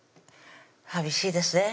寂しいですね